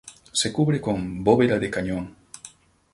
Se cubre con bóveda de cañón.